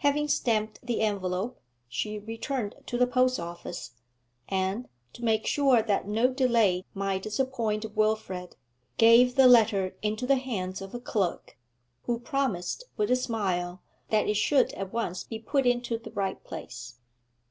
Having stamped the envelope, she returned to the post office, and, to make sure that no delay might disappoint Wilfrid, gave the letter into the hands of a clerk, who promised, with a smile, that it should at once be put into the right place.